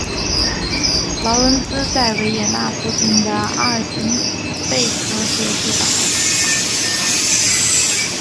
劳伦兹在维也纳附近的阿尔滕贝格别墅长大。